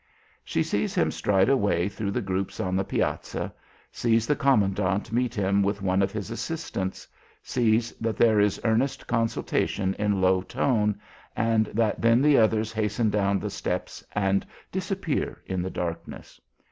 She sees him stride away through the groups on the piazza; sees the commandant meet him with one of his assistants; sees that there is earnest consultation in low tone, and that then the others hasten down the steps and disappear in the darkness.